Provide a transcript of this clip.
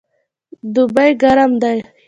دوبی ګرم دی